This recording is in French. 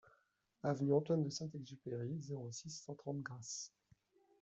Avenue Antoine de Saint-Exupéry, zéro six, cent trente Grasse